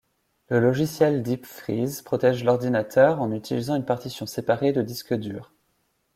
Le logiciel Deep Freeze protège l’ordinateur en utilisant une partition séparée de disque dur.